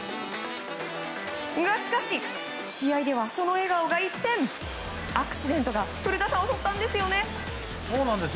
しかし、試合ではその笑顔が一転古田さん、アクシデントが襲ったんですよね。